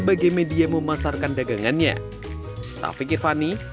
agar mendapatkan akun yang cukup